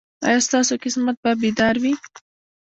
ایا ستاسو قسمت به بیدار وي؟